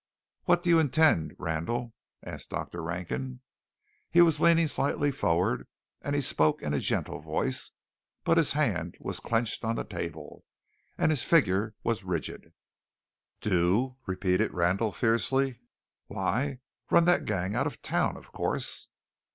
"What do you intend, Randall?" asked Dr. Rankin. He was leaning slightly forward, and he spoke in a gentle voice, but his hand was clenched on the table, and his figure was rigid. "Do?" repeated Randall fiercely; "why, run that gang out of town, of course!"